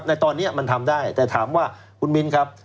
ในตอนนี้มันทำได้แต่ถามว่าคุณมิ้นครับ